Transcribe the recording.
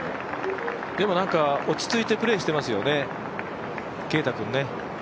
でもなんか、落ち着いてプレーしてますよね、啓太君ね。